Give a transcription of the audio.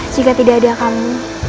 jika tidak ada kamu